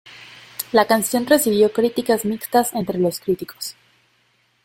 La canción recibió críticas mixtas entre los críticos.